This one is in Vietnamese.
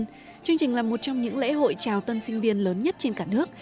chương trình là một trong những lễ hội chào tân sinh viên lớn nhất trên cả nước